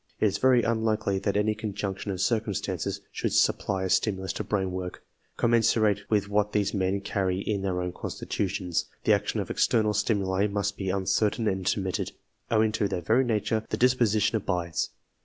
It is very unlikely that any conjunction of cir cumstances, should supply a stimulus to brain work, commensurate with what these men carry in their own constitutions. The action of external stimuli must be uncertain and intermittent, owing to their very nature ; he disposition abides.